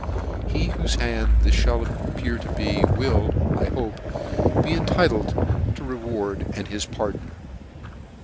He whole hand this fliall ap <f pear to be, will, I hope, be entitled to the re " ward and hij pardon."